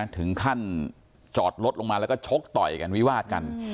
ถึงขั้นจอดรถลงมาแล้วก็ชกต่อยกันวิวาดกัน